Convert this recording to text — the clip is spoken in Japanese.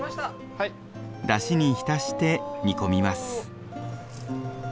だしに浸して煮込みます。